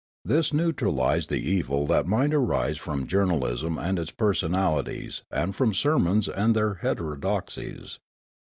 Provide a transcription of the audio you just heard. This neutralised the evil that might arise from journalism and its personalities and fiom sermons and their heterodoxies.